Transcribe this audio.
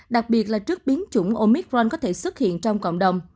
đặc biệt là trước biến chủng omitforn có thể xuất hiện trong cộng đồng